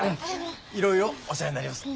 いろいろお世話になります。